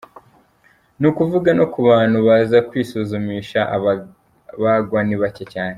Ni ukuvuga no ku bantu baza kwisuzumisha ababagwa ni bacye cyane.